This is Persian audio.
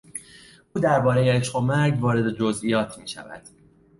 او دربارهی عشق و مرگ وارد جزییات میشود.